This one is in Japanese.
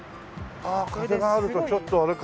ああ風があるとちょっとあれか。